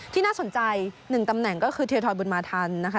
น่าสนใจ๑ตำแหน่งก็คือเทียทรบุญมาทันนะคะ